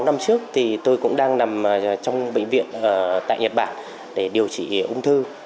năm trước thì tôi cũng đang nằm trong bệnh viện tại nhật bản để điều trị ung thư